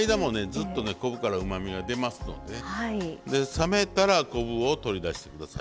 ずっとね昆布からうまみが出ますので冷めたら昆布を取り出してください。